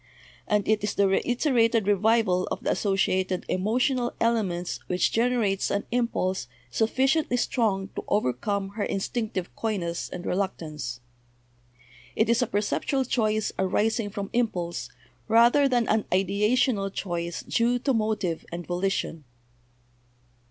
And it is the reiterated revival of the associated emotional elements which generates an impulse sufficiently strong to overcome her instinctive coyness and reluctance. It is a perceptual choice arising from impulse rather than an ideational choice due to motive and volition."